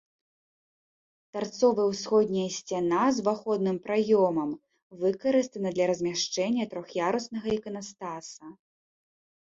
Тарцовая ўсходняя сцяна з уваходным праёмам выкарыстана для размяшчэння трох'яруснага іканастаса.